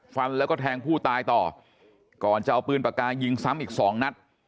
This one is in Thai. ฟันแล้วก็แทงผู้ตายต่อก่อนจะเอาปืนปากกายิงซ้ำอีกสองนัด